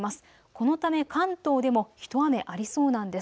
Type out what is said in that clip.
このため関東でもひと雨ありそうなんです。